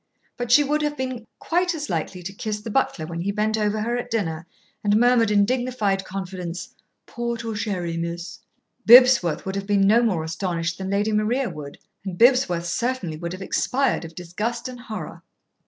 But she would have been quite as likely to kiss the butler when he bent over her at dinner and murmured in dignified confidence, "Port or sherry, miss?" Bibsworth would have been no more astonished than Lady Maria would, and Bibsworth certainly would have expired of disgust and horror.